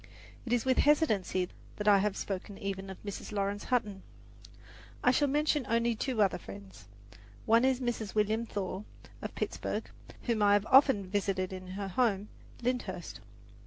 It is with hesitancy that I have spoken even of Mrs. Laurence Hutton. I shall mention only two other friends. One is Mrs. William Thaw, of Pittsburgh, whom I have often visited in her home, Lyndhurst.